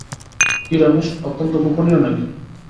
কী রমেশ, অত্যন্ত গোপনীয় নাকি?